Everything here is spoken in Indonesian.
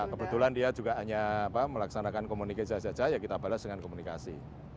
kebetulan dia juga hanya melaksanakan komunikasi saja ya kita balas dengan komunikasi